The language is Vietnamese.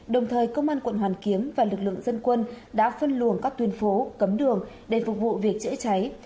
đồng thời công an quận hoàn kiếm và lực lượng dân quân đã phân luồng các tuyên phố cấm đường để phục vụ việc chữa cháy